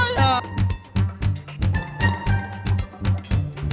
gak ada pok